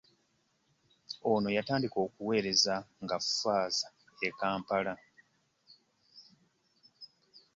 Ono yatandika okuweereza nga Faaza e Kampala.